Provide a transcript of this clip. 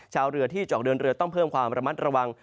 ชาวเรือที่จะออกเดินเรือต้องเพิ่มความระมัดระวัง